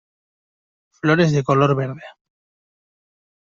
Flores de color verde.